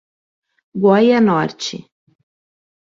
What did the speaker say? Goianorte